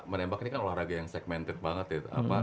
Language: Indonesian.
menembak ini kan olahraga yang segmented banget ya